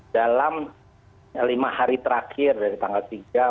dalam lima hari terakhir dari tanggal tiga empat lima enam tujuh